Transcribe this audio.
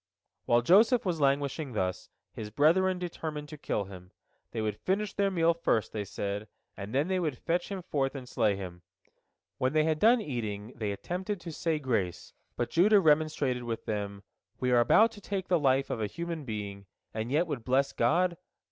While Joseph was languishing thus, his brethren determined to kill him. They would finish their meal first, they said, and then they would fetch him forth and slay him. When they had done eating, they attempted to say grace, but Judah remonstrated with them: "We are about to take the life of a human being, and yet would bless God?